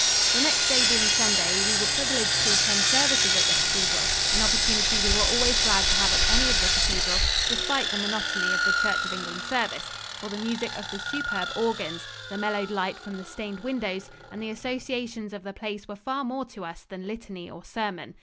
The next day being Sunday, we were privileged to attend services at the cathedral, an opportunity we were always glad to have at any of the cathedrals despite the monotony of the Church of England service, for the music of the superb organs, the mellowed light from the stained windows, and the associations of the place were far more to us than litany or sermon.